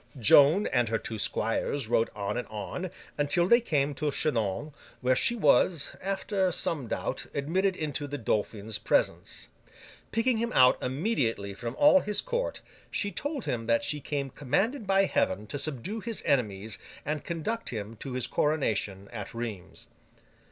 Joan and her two squires rode on and on, until they came to Chinon, where she was, after some doubt, admitted into the Dauphin's presence. Picking him out immediately from all his court, she told him that she came commanded by Heaven to subdue his enemies and conduct him to his coronation at Rheims.